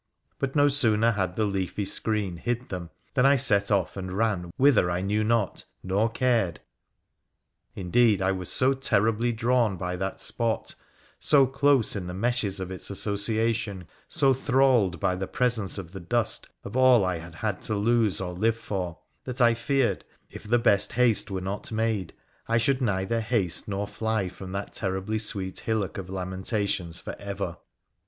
But no sooner had the leafy screen hid them than I set off and ran whither I knew not, nor cared — indeed, I was so terribly drawn by that spot — so close in the meshes of its association, so thralled by the presence of the dust of all I had had to lose or live for, that I feared, if the best haste were not made, I should neither haste nor fly from that terribly sweet hillock of lamentations for ever.